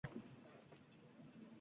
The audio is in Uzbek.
O’ylaymiz: «Do’konga kelibdi gilam